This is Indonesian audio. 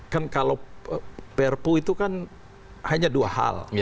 kan kalau prpu itu kan hanya dua hal